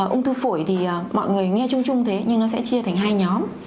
ung thư phổi thì mọi người nghe chung chung thế nhưng nó sẽ chia thành hai nhóm